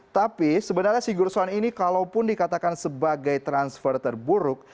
tapi sebenarnya sigurdsson ini kalau pun dikatakan sebagai transfer terburuk